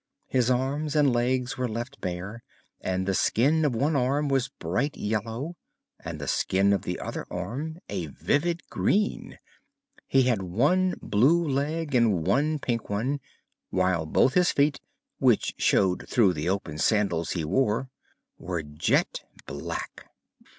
His arms and legs were left bare and the skin of one arm was bright yellow and the skin of the other arm a vivid green. He had one blue leg and one pink one, while both his feet which showed through the open sandals he wore were jet black.